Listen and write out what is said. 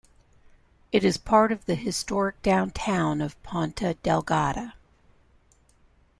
It is part of the historic downtown of Ponta Delgada.